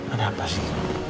ada apa sih